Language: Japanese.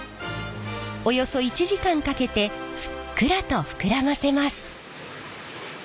およそ１時間かけてふっくらと膨らませます。